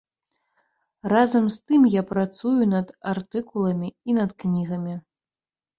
Разам з тым я працую над артыкуламі і над кнігамі.